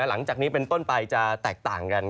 หลังจากนี้เป็นต้นไปจะแตกต่างกัน